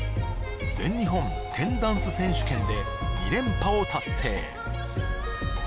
以来１７年全日本１０ダンス選手権で２連覇を達成